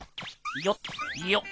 よっよっ。